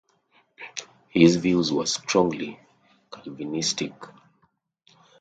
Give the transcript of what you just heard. His views were strongly Calvinistic.